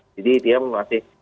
jadi dia masih